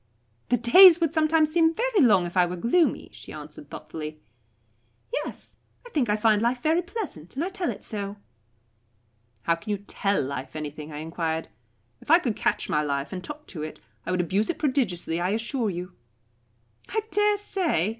"The days would sometimes seem very long if I were gloomy," she answered thoughtfully. "Yes, I think I find life very pleasant, and I tell it so." "How can you 'tell life' anything?" I enquired. "If I could catch my life and talk to it, I would abuse it prodigiously, I assure you." "I dare say.